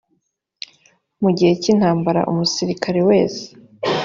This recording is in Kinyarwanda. mu gihe cy intambara umusirikare wese